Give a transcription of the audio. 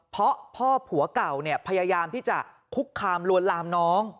เพราะพ่อผัวเก่าเนี่ยพยายามที่จะคุกคามลวนลามน้อง